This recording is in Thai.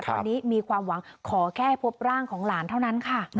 ตอนนี้มีความหวังขอแค่พบร่างของหลานเท่านั้นค่ะ